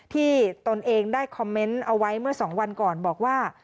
ตนเองได้คอมเมนต์เอาไว้เมื่อ๒วันก่อนบอกว่า